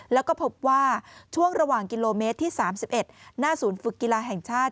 แล้วก็พบว่าช่วงระหว่างกิโลเมตรที่๓๑หน้าศูนย์ฝึกกีฬาแห่งชาติ